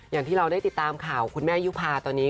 อย่างที่เราได้ติดตามข่าวคุณแม่ยุภาตอนนี้